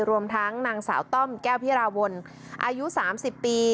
รวมทั้งนางสาวต้อมแก้วพิราวนอายุ๓๐ปี